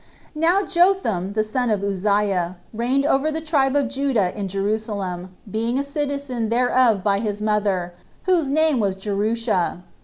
2. Now Jotham the son of Uzziah reigned over the tribe of Judah in Jerusalem, being a citizen thereof by his mother, whose name was Jerusha.